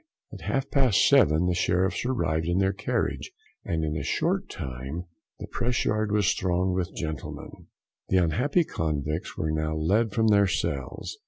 At half past seven the Sheriffs arrived in their carriage, and in a short time the press yard was thronged with gentlemen. The unhappy convicts were now led from their cells.